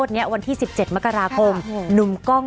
เดี๋ยวรู้ก่อน